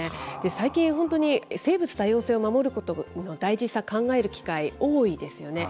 最近、本当に生物多様性を守ることの大事さ、考える機会、多いですよね。